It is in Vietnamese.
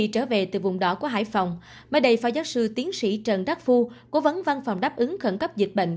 trở về từ vùng đỏ của hải phòng mới đầy phá giác sư tiến sĩ trần đắc phu cố vấn văn phòng đáp ứng khẩn cấp dịch bệnh